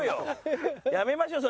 やめましょうよ。